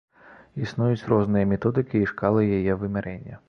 Існуюць розныя методыкі і шкалы яе вымярэння.